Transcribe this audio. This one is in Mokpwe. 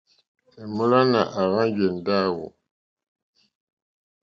Èmólánà àhwánjì èndáwò.